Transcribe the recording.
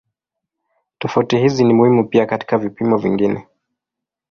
Tofauti hizi ni muhimu pia katika vipimo vingine.